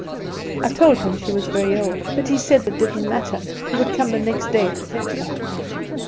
I told him she was very old. But he said it didn't matter; he would come the next day to fetch her.